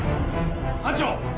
・班長！